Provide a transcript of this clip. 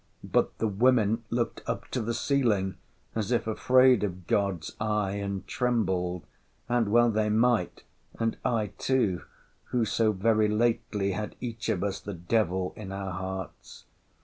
—But the women looked up to the ceiling, as if afraid of God's eye, and trembled. And well they might, and I too, who so very lately had each of us the devil in our hearts.